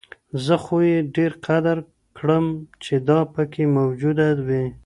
زه خو يې ډېر قدر كړم چي دا پكــــي مــوجـــوده وي